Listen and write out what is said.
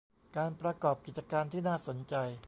การประกอบกิจการที่น่าสนใจ